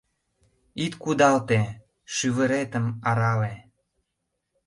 Ит кудалте, шӱвыретым арале!